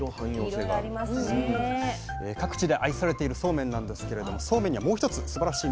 各地で愛されているそうめんなんですけれどもそうめんにはもう一つすばらしい魅力があります。